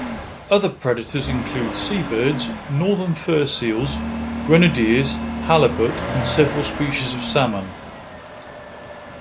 Other predators include seabirds, northern fur seals, grenadiers, halibut and several species of salmon.